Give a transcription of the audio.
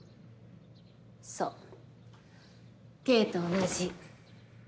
そうケイと同じ。